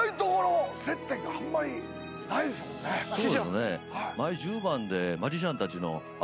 そうですね。